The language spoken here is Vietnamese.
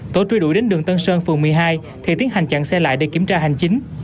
tổ truy đuổi đến đường tân sơn phường một mươi hai thì tiến hành chặn xe lại để kiểm tra hành chính